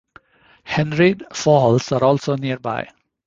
Henrhyd Falls are also nearby.